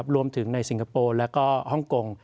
รวมถึงในสิงคโปร์แล้วก็ฮ่องกง